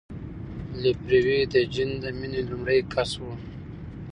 لفروی د جین د مینې لومړی کس و.